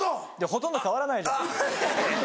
ほとんど変わらないじゃん。